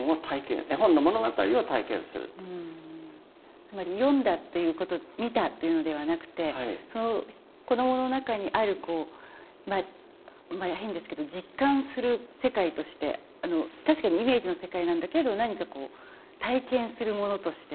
つまり読んだっていうこと見たっていうのではなくてその子どもの中にある変ですけど実感する世界として確かにイメージの世界なんだけれど何かこう体験するものとして。